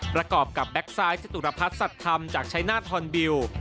ประกอบกับแบ็คซ้ายสตุรพัสสัตว์ธรรมจากชัยนาธรรมิว